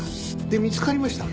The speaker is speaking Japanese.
で見つかりました？